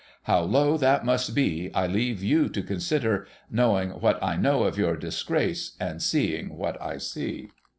How low that must be, I leave you to consider, knowing what I know of your disgrace, and seeing what I see.'